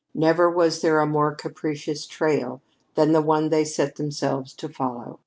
Never was there a more capricious trail than the one they set themselves to follow.